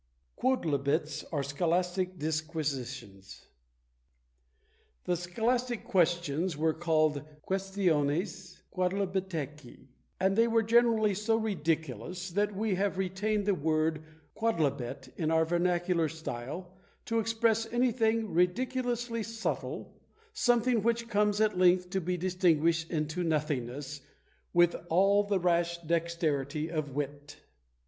] QUODLIBETS, OR SCHOLASTIC DISQUISITIONS. The scholastic questions were called Questiones Quodlibeticæ; and they were generally so ridiculous that we have retained the word Quodlibet in our vernacular style, to express anything ridiculously subtile; something which comes at length to be distinguished into nothingness, "With all the rash dexterity of wit."